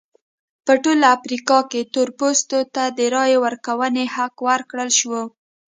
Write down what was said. په ټوله افریقا کې تور پوستو ته د رایې ورکونې حق ورکړل شو.